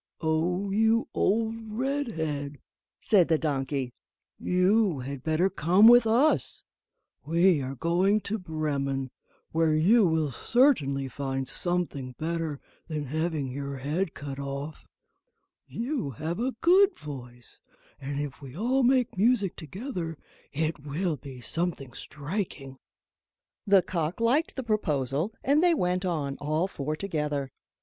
"O you old Redhead," said the donkey, "you had better come with us; we are going to Bremen, where you will certainly find something better than having your head cut off; you have a good voice, and if we all make music together, it will be something striking." The cock liked the proposal, and they went on, all four together.